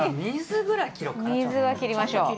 水は切りましょう。